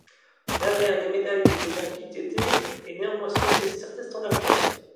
L'avers des médailles des Jeux olympiques d'été est néanmoins soumis à une certaine standardisation.